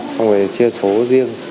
không phải chia số riêng